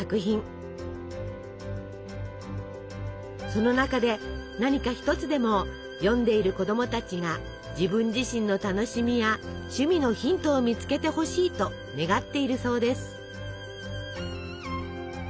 その中で何か一つでも読んでいる子供たちが自分自身の楽しみや趣味のヒントを見つけてほしいと願っているそうです。